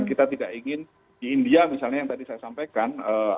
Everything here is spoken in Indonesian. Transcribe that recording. kita tidak ingin di india misalnya yang tadi saya sampaikan